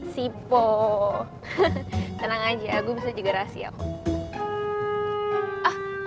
sipo tenang aja aku bisa juga rahasia kok